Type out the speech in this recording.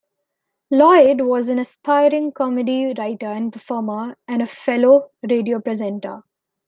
Lloyd was an aspiring comedy writer and performer, and a fellow radio presenter.